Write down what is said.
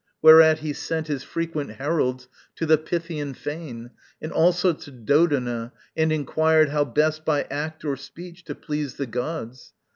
Whereat he sent His frequent heralds to the Pythian fane, And also to Dodona, and inquired How best, by act or speech, to please the gods.